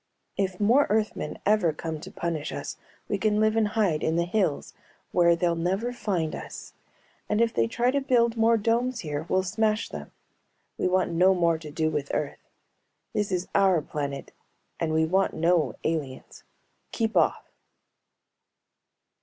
If more Earthmen ever come to punish us, we can live and hide in the hills where they'll never find us. And if they try to build more domes here we'll smash them. We want no more to do with Earth. This is our planet and we want no aliens. Keep off!